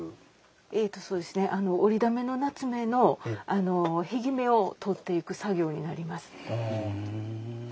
えとそうですね折撓の棗の片木目を取っていく作業になります。